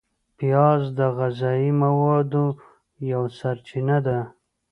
پیاز د غذایي موادو یوه سرچینه ده